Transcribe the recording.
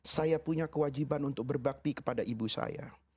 saya punya kewajiban untuk berbakti kepada ibu saya